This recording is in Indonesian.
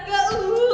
duduk dulu duduk dulu